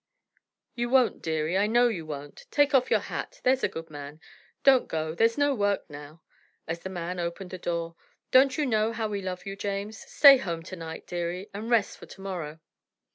You won't, dearie; I know you won't! Take off your hat, there's a good man. Don't go, there's no work now." As the man opened the door, "don't you know how we love you, James? Stay home to night, dearie, and rest for to morrow."